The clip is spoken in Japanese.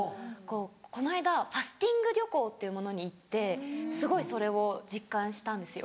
この間ファスティング旅行っていうものに行ってすごいそれを実感したんですよ。